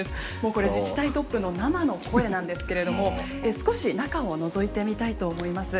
これ自治体トップの生の声なんですけれども少し中をのぞいてみたいと思います。